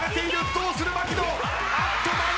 どうする槙野！？